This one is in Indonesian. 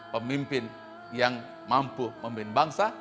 pemimpin yang mampu memimpin bangsa